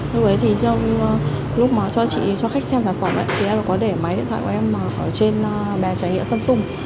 lúc ấy thì trong lúc mà cho khách xem sản phẩm ấy thì em có để máy điện thoại của em ở trên bàn trải nghiệm samsung